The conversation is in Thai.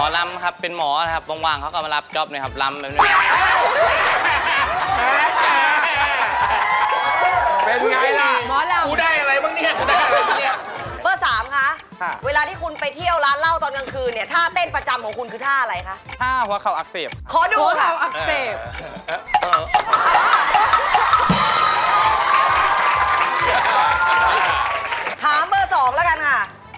แต่ว่าหนูยังไม่เคยเห็นคนจบหมอลำค่ะ